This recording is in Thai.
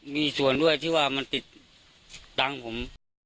มีส่วนด้วยที่ว่ามันติดตังค์ผม